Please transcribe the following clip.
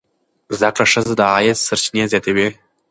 زده کړه ښځه د عاید سرچینې زیاتوي.